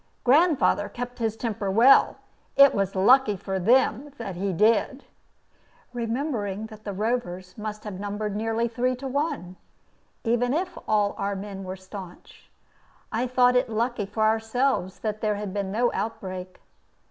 Grandfather kept his temper well. It was lucky for them that he did." Remembering that the Rovers must have numbered nearly three to one, even if all our men were stanch, I thought it lucky for ourselves that there had been no outbreak.